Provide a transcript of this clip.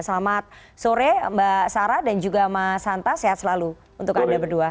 selamat sore mbak sarah dan juga mas santa sehat selalu untuk anda berdua